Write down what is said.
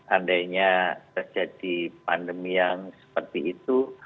andainya terjadi pandemi yang seperti itu